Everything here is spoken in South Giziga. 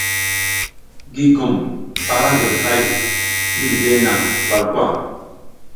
Gigum ara ndir hay ngi dide nang walkwa.